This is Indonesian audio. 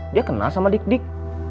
dia kenal sama dik dik